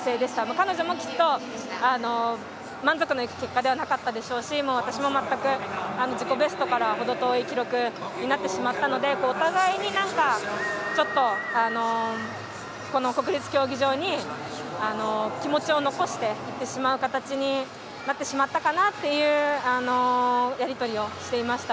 彼女もきっと満足のいく結果ではなかったでしょうし私も全く自己ベストからは程遠い記録になったのでお互いに、この国立競技場に気持ちを残していってしまう形になったかなというやり取りをしていました。